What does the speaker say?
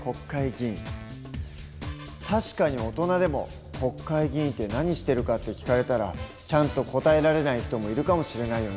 確かに大人でも国会議員って何してるかって聞かれたらちゃんと答えられない人もいるかもしれないよね。